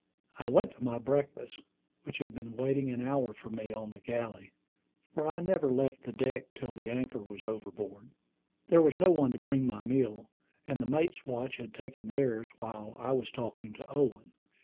I went to my breakfast, which had been waiting an hour for me on the galley, for I never left the deck till the anchor was overboard. There was no one to bring my meal, and the mate's watch had taken theirs while I was talking to Owen.